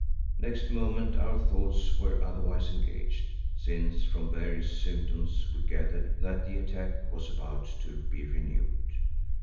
Next moment our thoughts were otherwise engaged, since from various symptoms we gathered that the attack was about to be renewed.